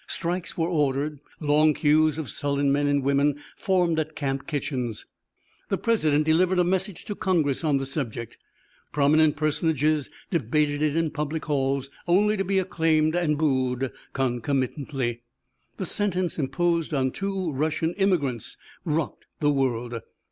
Strikes were ordered; long queues of sullen men and women formed at camp kitchens. The President delivered a message to Congress on the subject. Prominent personages debated it in public halls, only to be acclaimed and booed concomitantly. The sentence imposed on two Russian immigrants rocked the world.